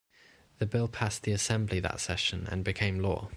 The bill passed the assembly that session and became law.